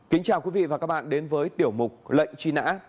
kính chào quý vị và các bạn đến với tiểu mục lệnh truy nã